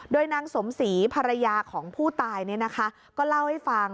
โดยนางสมศรีภรรยาของผู้ตายก็เล่าให้ฟัง